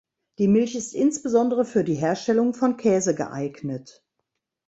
Die Milch ist insbesondere für die Herstellung von Käse geeignet.